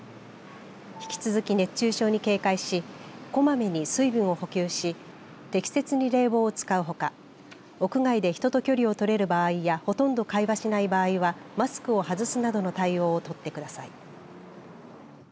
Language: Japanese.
引き続き熱中症に警戒しこまめに水分を補給し適切に冷房を使うほか屋外で人と距離を取れる場合やほとんど会話しない場合はマスクを外すなどの対応を取ってください。